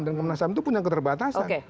dan komnas ham itu punya keterbatasan